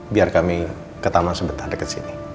biar kami ke taman sebentar dekat sini